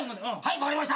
分かりました。